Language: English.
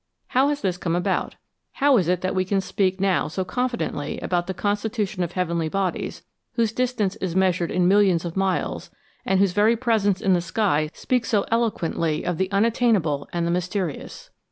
How has this come about ? How is it that we can speak now so confidently about the constitution of heavenly bodies, whose distance is measured in millions of miles, and whose very presence in the sky speaks so eloquently of the unattainable and the mysterious